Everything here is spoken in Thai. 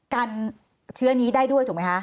กันเชื้อนี้ได้ด้วยถูกไหมคะ